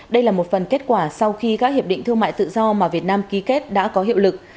đây là một phần kết quả sau khi các hiệp định thương mại tự do mà việt nam ký kết đã có hiệu lực